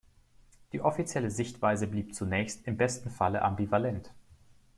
Die offizielle Sichtweise blieb zunächst im besten Falle ambivalent.